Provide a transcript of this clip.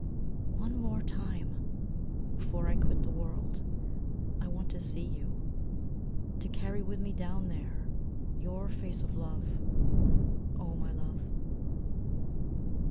LAST TIME. ONE more time Before I quit the world I want to see you. To carry with me down there Your face of love, O my love.